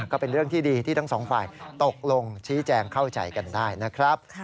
ก็เป็นเรื่องที่ดีที่ทั้งสองฝ่ายตกลงชี้แจงเข้าใจกันได้นะครับ